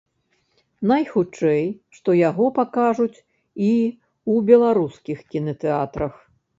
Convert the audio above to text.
Найхутчэй, што яго пакажуць і ў беларускіх кінатэатрах.